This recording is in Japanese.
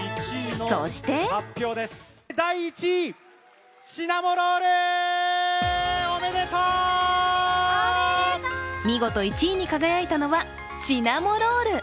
そして見事、１位に輝いたのはシナモロール！